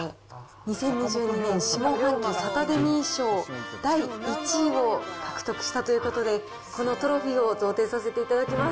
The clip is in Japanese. ２０２２年下半期サタデミー賞第１位を獲得したということで、このトロフィーを贈呈させていただきます。